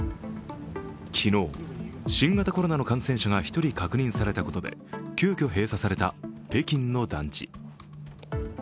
昨日、新型コロナの感染者が１人確認されたことで急きょ、閉鎖された北京の団地。